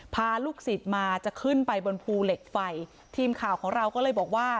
พาลูกศิษย์มาจะขึ้นไปบนภูเหล็กไฟทีมข่าวของเราก็เลยบอกว่า